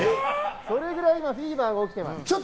それぐらいのフィーバーが起きています。